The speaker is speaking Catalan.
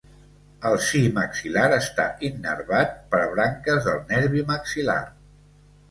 El si maxil·lar està innervat per branques del nervi maxil·lar.